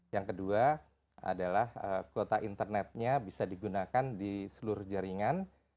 yang kedua adalah kuota internetnya bisa digunakan di seluruh jaringan